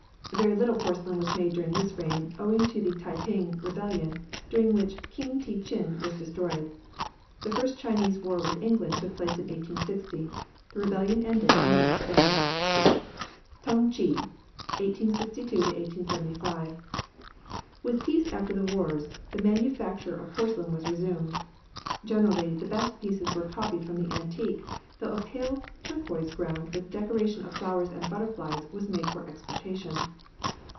Very little porcelain was made during this reign, owing to the Tai ping rebellion, during which King te chin was destroyed. The first Chinese war with England took place in 1860. The rebellion ended in the next reign. TUNG CHE (1862 1875). With peace after the wars the manufacture of porcelain was resumed. Generally, the best pieces were copied from the antique, though a pale turquoise ground with decoration of flowers and butterflies was made for exportation.